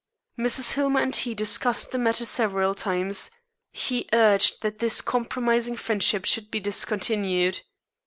Mrs. Hillmer and he discussed the matter several times. He urged that this compromising friendship should be discontinued.